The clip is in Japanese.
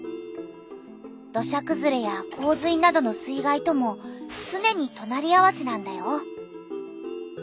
土砂くずれや洪水などの水害ともつねにとなり合わせなんだよ。